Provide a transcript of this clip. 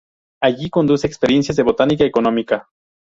Allí conduce experiencias de botánica económica.